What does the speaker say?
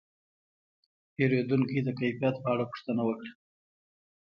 پیرودونکی د کیفیت په اړه پوښتنه وکړه.